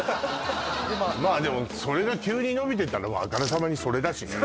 まあでもそれが急に伸びてたらあからさまにそれだしね